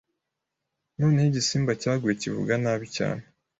Noneho igisimba cyaguye kivuga nabi cyane